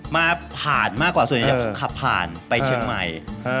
มาผ่านมากกว่าส่วนใหญ่จะขับผ่านไปเชียงใหม่